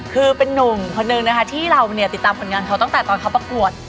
คือเป็นนุ่งคนหนึ่งนะฮะที่เราติดตามคนกำทำเขาตั้งแต่ตอนเขาประกวด